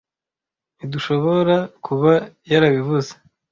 Ntdushoborakuba yarabivuze.